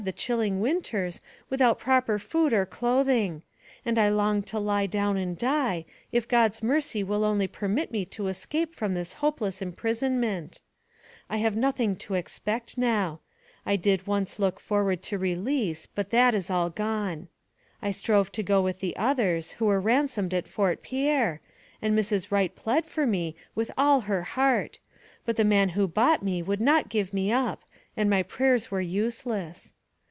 itye chilling winters, without proper food or clothing; and I long to lie down and die, if God's mercy will only permit me to escape from this hope less imprisonment. I have nothing to expect now. I 116 NARRATIVE OF CAPTIVITY did once look forward to release, but that is all gone. I strove to go with the others, who were ransomed at Fort Pierre, and Mrs. Wright plead for me with all her heart; but the man who bought me would not give me up, and my prayers were useless.